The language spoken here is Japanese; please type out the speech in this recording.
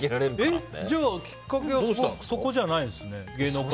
じゃあきっかけはそこじゃないんですね。